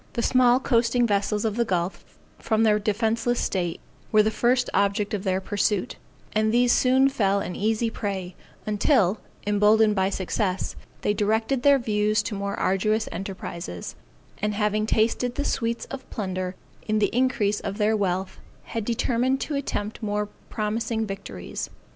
The small coasting vessels of the gulf, from their defenceless state, were the first object of their pursuit, and these soon fell an easy prey; until, emboldened by success, they directed their views to more arduous enterprises, and having tasted the sweets of plunder in the increase of their wealth, had determined to attempt more promising victories.